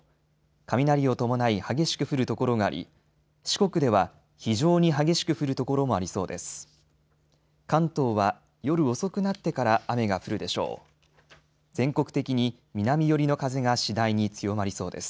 雷を伴い激しく降る所があり四国では非常に激しく降る所もありそうです。